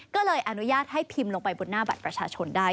ก็เลยอนุญาตให้พิมพ์ลงไปบนหน้าบัตรประชาชนได้